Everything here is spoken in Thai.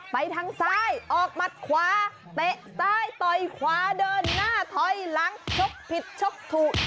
ไปทางซ้ายออกหมัดขวาเตะซ้ายต่อยขวาเดินหน้าถอยหลังชกผิดชกถูก